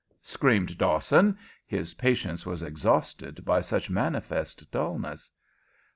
screamed Dawson. His patience was exhausted by such manifest dulness.